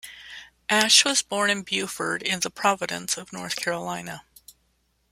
Ashe was born in Beaufort in the Province of North Carolina.